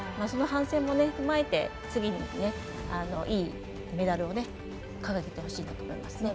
その反省も踏まえて、次にいいメダルを掲げてほしいと思います。